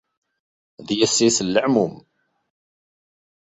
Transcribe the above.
D yessi-s n leεmum.